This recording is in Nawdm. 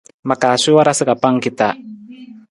Ma kaa suwii warasa ka pangki ta.